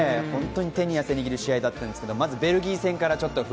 手に汗握る試合だったんですが、まずベルギー戦から。